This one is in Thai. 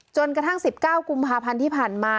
จนกระทั่ง๑๙กุมภาพันธ์ที่ผ่านมา